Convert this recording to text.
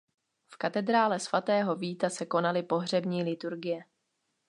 V katedrále svatého Víta se konaly pohřební liturgie.